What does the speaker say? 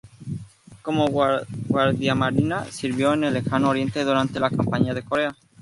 Como guardiamarina, sirvió en el Lejano Oriente durante la campaña de Corea.